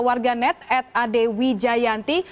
warganet at adewijayanti